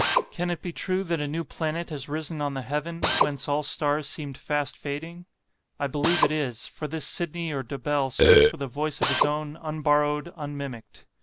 Can it be true that a new planet has risen on the heaven, whence all stars seemed fast fading? I believe it is; for this Sydney or Dobell speaks with a voice of his own, unborrowed, unmimicked.